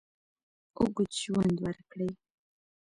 اوږد ژوند ورکړي.